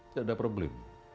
tidak ada problem